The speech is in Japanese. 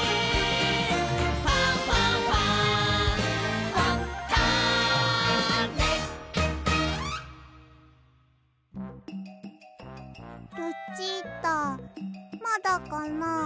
「ファンファンファン」ルチータまだかな。